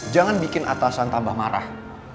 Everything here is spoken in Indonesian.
jangan bikin atasan tambah marah